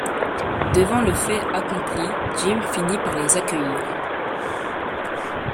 Devant le fait accompli, Jim finit par les accueillir.